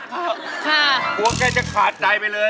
กลัวแกจะขาดใจไปเลย